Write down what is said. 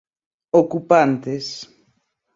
ocupantes